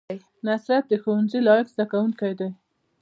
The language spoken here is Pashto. نصرت د ښوونځي لایق زده کوونکی دی